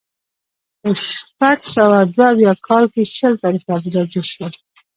په شپږ سوه دوه اویا کال کې شل تاریخي آبدات جوړ شول